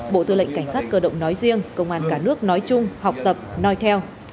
bộ tư lệnh cảnh sát cơ động nói riêng công an cả nước nói chung học tập nói theo